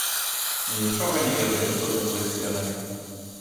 І нічога не ведаеш, што там, за сценамі!